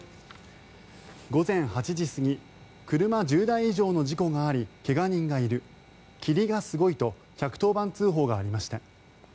午前８時過ぎ車１０台以上の事故があり怪我人がいる、霧がすごいと１１０番通報がありました。